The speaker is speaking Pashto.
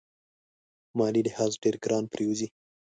مالي لحاظ ډېر ګران پرېوزي.